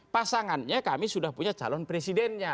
pasangannya kami sudah punya calon presidennya